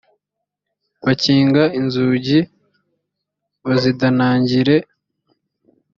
bakinga inzugi bazidanangire